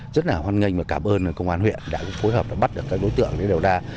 rất là hoan nghênh và cảm ơn công an huyện đã phối hợp bắt được các đối tượng đều ra